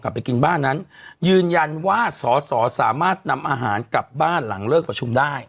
ไปกินบ้านนั้นยืนยันว่าสอสอสามารถนำอาหารกลับบ้านหลังเลิกประชุมได้